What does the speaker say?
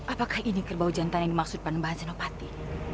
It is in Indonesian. apakah ini kerbau jantan yang dimaksudkan mbak zainal pati